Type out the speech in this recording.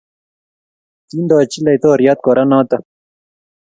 Kindochi laitoriat kora notok